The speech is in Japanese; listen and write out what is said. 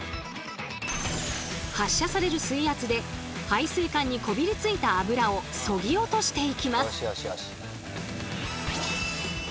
発射される水圧で排水管にこびりついたあぶらをそぎ落としていきます。